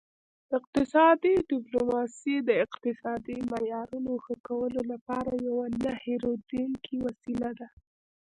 اقتصادي ډیپلوماسي د اقتصادي معیارونو ښه کولو لپاره یوه نه هیریدونکې وسیله ده